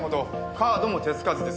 カードも手付かずです。